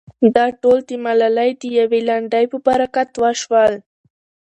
دا ټول د ملالې د يوې لنډۍ په برکت وشول.